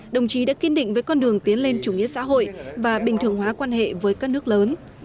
đồng chí đã kiên định với con đường tiến lên chủ nghĩa xã hội và bình thường hóa quan hệ với các nước lớn